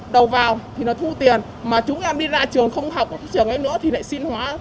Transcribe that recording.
đầu vào thì nó thu tiền mà chúng em đi ra trường không học ở các trường ấy nữa thì lại xin hóa